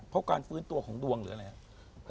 เพราะการฟื้นตัวของดวงหรืออะไรครับ